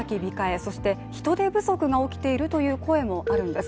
そして人手不足が起きているという声もあるんです。